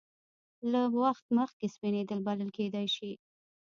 له وخت مخکې سپینېدل بلل کېدای شي.